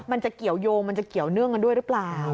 มันจะเกี่ยวยงมันจะเกี่ยวเนื่องกันด้วยหรือเปล่า